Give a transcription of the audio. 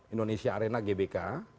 indonesia arena gbk